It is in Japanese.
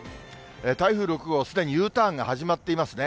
台風６号、すでにＵターンが始まっていますね。